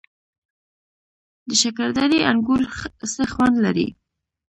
د شکردرې انګور څه خوند لري؟